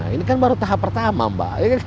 ini kan baru tahap pertama mbak